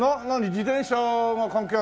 自転車が関係あるの？